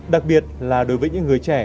đặc biệt là đối với những người trẻ